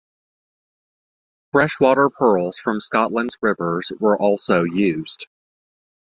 Freshwater pearls from Scotland's rivers were also used.